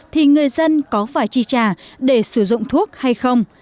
thì người dân có phải chi trả để sử dụng thuốc hay không